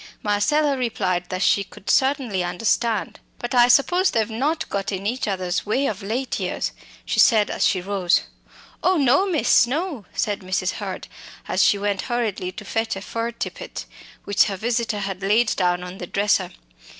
Marcella replied that she could certainly understand. "But I suppose they've not got in each other's way of late years," she said as she rose to go. "Oh! no, miss, no," said Mrs. Hurd as she went hurriedly to fetch a fur tippet which her visitor had laid down on the dresser.